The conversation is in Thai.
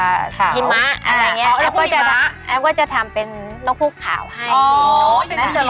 หิมะอะไรอย่างนี้แอบก็จะทำเป็นนกฮูกขาวให้ค่ะมากจริง